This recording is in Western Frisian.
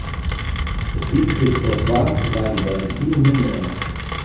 It tydskrift Trotwaer wijde der in hiel nûmer oan.